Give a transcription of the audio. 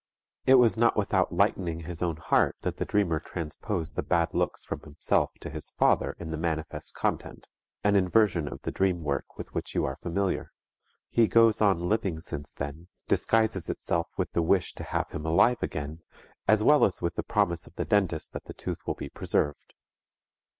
It was not without lightening his own heart that the dreamer transposed the bad looks from himself to his father in the manifest content, an inversion of the dream work with which you are familiar. "He goes on living since then," disguises itself with the wish to have him alive again as well as with the promise of the dentist that the tooth will be preserved.